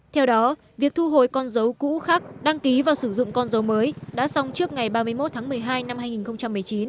theo đó việc thu hồi con dấu cũ khắc đăng ký và sử dụng con dấu mới đã xong trước ngày ba mươi một tháng một mươi hai năm hai nghìn một mươi chín